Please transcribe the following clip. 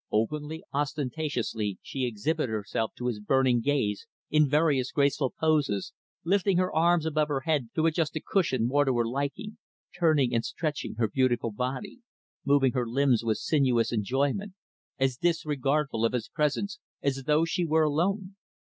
Openly, ostentatiously, she exhibited herself to his burning gaze in various graceful poses lifting her arms above her head to adjust a cushion more to her liking; turning and stretching her beautiful body; moving her limbs with sinuous enjoyment as disregardful of his presence as though she were alone.